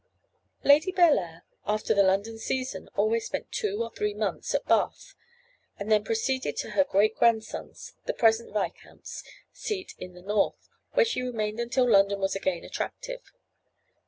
Lady Bellair, after the London season, always spent two or three months at Bath, and then proceeded to her great grandson's, the present viscount's, seat in the North, where she remained until London was again attractive.